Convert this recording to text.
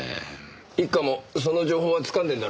一課もその情報はつかんでんだろ？